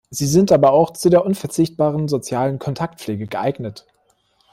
Sie sind aber auch zu der unverzichtbaren sozialen Kontaktpflege geeignet.